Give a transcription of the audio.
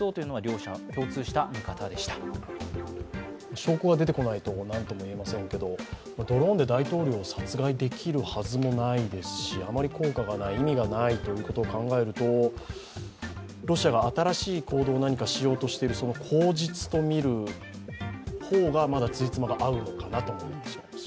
証拠が出てこないと何ともいえませんけどドローンで大統領を殺害できるはずもないですしあまり効果がない、意味がないということを考えるとロシアが新しい行動を何かしようとしている、その口実としようとしているほうがまだつじつまが合うかなと思ってしまうし。